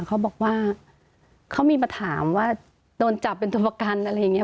เขาบอกว่าเขามีมาถามว่าโดนจับเป็นตัวประกันอะไรอย่างนี้